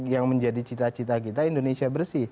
yang menjadi cita cita kita indonesia bersih